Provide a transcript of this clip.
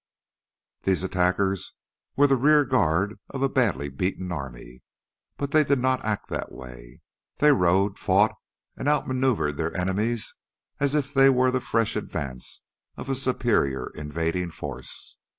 These attackers were the rear guard of a badly beaten army, but they did not act that way. They rode, fought, and out maneuvered their enemies as if they were the fresh advance of a superior invading force.